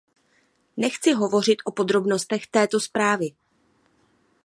Nechci hovořit o podrobnostech této zprávy.